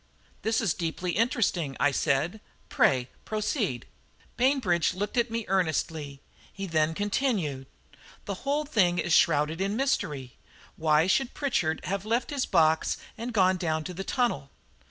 "This is deeply interesting," I said; "pray proceed." Bainbridge looked at me earnestly; he then continued: "The whole thing is shrouded in mystery. Why should Pritchard have left his box and gone down to the tunnel?